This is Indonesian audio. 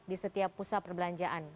di setiap pusat perbelanjaan